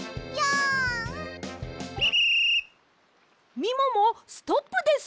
みももストップです！